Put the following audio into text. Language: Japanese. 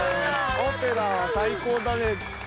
オペラは最高だね。